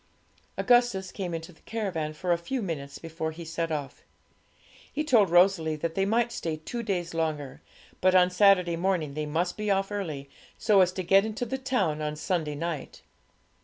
Augustus came into the caravan for a few minutes before he set off. He told Rosalie that they might stay two days longer; but on Saturday morning they must be off early, so as to get into the town on Sunday night.